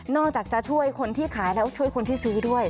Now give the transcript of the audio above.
อกจากจะช่วยคนที่ขายแล้วช่วยคนที่ซื้อด้วย